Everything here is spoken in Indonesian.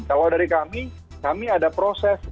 awal dari kami kami ada proses